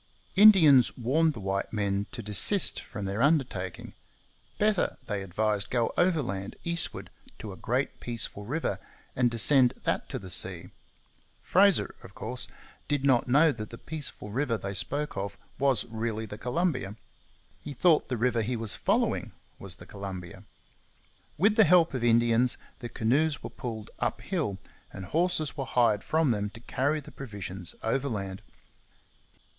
Indians warned the white men to desist from their undertaking. Better, they advised, go overland eastward to a great peaceful river and descend that to the sea. Fraser, of course, did not know that the peaceful river they spoke of was really the Columbia. He thought the river he was following was the Columbia. With the help of Indians the canoes were pulled up hill, and horses were hired from them to carry the provisions overland.